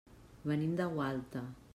Venim de Gualta.